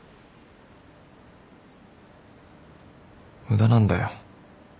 無駄なんだよ